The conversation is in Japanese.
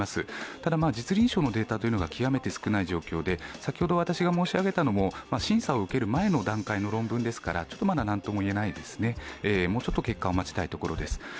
ただ、実臨床のデータが極めて少ない状況で先ほど私が申し上げたのも審査を受ける前の段階の論文ですから、まだ何とも言えないですね、もうちょっと結果を待ちたいです。